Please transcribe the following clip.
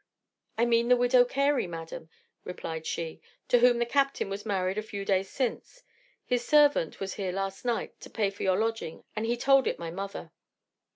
"'I mean the widow Carey, madam,' replied she, 'to whom the captain was married a few days since. His servant was here last night to pay for your lodging, and he told it my mother.